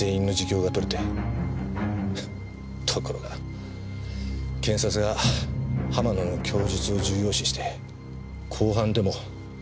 フッところが検察が浜野の供述を重要視して公判でも証人で喚問した。